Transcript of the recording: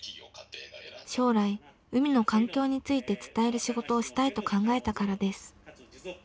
将来海の環境について伝える仕事をしたいと考えたからです。